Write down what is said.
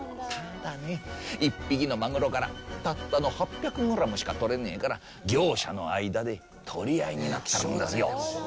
「ただね１匹のマグロからたったの８００グラムしかとれねえから業者の間で取り合いになったんですよ」。